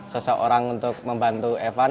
seseorang untuk membantu evan